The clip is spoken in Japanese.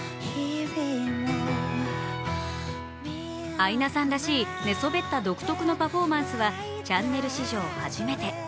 アイナさんらしい寝そべった独特のパフォーマンスはチャンネル史上初めて。